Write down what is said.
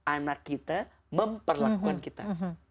anak kita memperlakukan kita